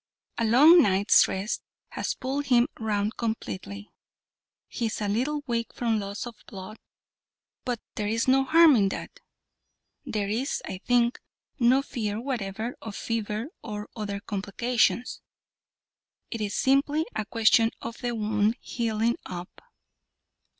A long night's rest has pulled him round completely. He is a little weak from loss of blood; but there is no harm in that. There is, I think, no fear whatever of fever or other complications. It is simply a question of the wound healing up."